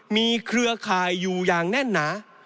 มีเครือข่ายอยู่อย่างแน่นหนา